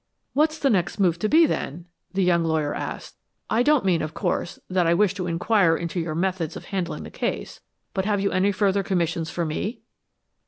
"What's the next move to be, then?" the young lawyer asked. "I don't mean, of course, that I wish to inquire into your methods of handling the case but have you any further commissions for me?"